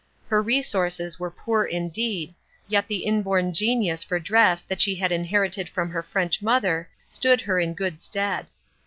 Her resources were poor indeed, yet the inborn genius for dress that she inherited from her French mother stood her in good stead.